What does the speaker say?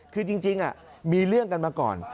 คือจริงมีเรื่องกันมาก่อน